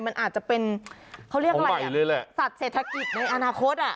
มันอาจจะเป็นเขาเรียกอะไรอ่ะสัตว์เศรษฐกิจในอนาคต